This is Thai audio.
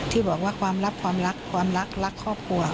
ที่บอกว่าความรักความรักความรักรักครอบครัว